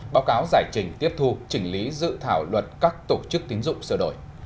báo cáo giải trình tiếp thu chỉnh lý dự thảo luật các tổ chức tín dụng sửa đổi